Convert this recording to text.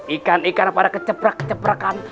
ikan ikan pada keceprekan